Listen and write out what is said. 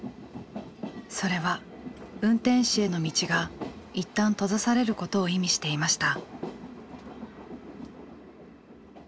それは運転士への道が一旦閉ざされることを意味していました。